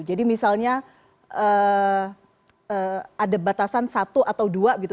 jadi misalnya ada batasan satu atau dua gitu